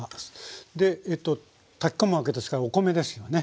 でええと炊き込むわけですからお米ですよね。